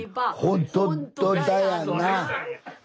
ほんとだやな。